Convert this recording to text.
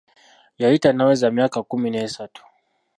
Yali tannaweza myaka kkumi n'esatu.